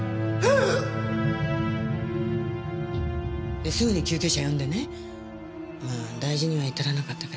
ですぐに救急車呼んでねまあ大事には至らなかったけどね。